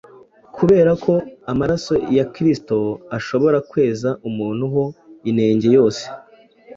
kubera ko amaraso ya Kristo ashobora kweza umuntu ho inenge yose.